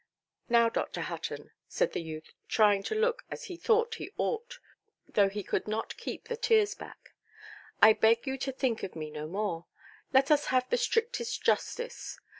"Now, Dr. Hutton", said the youth, trying to look as he thought he ought, though he could not keep the tears back, "I beg you to think of me no more. Let us have the strictest justice.